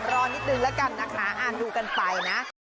รอนิดนึงแล้วกันนะคะอ่านดูกันไปนะ